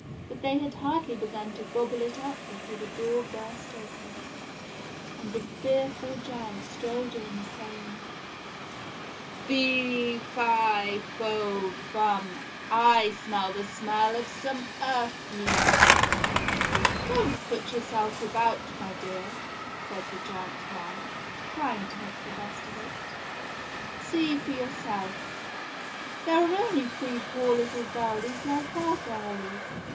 But they had hardly begun to gobble it up before the door burst open, and a fearful giant strode in saying :" Fee fi fo fum, I smell the smell of some earthly one "Don't put yourself about, my dear," said the giant's wife trying to make the best of it. "See for yourself. They are only three poor little girlies like our girlies.